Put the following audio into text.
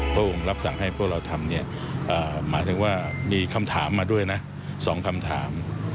พระองค์รับสั่งให้พวกเราทำเนี่ยหมายถึงว่ามีคำถามมาด้วยนะ๒คำถาม